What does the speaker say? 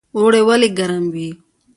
اوړی ولې ګرم وي؟